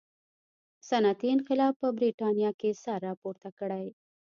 صنعتي انقلاب په برېټانیا کې سر راپورته کړي.